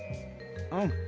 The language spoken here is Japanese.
うん。